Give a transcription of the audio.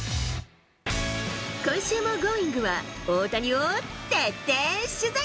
今週もＧｏｉｎｇ！は、大谷を徹底取材。